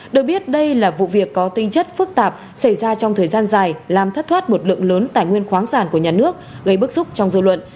được biết đây là vụ việc có tinh chất phức tạp xảy ra trong thời gian dài làm thất thoát một lượng lớn tài nguyên khoáng sản của nhà nước gây bức xúc trong dư luận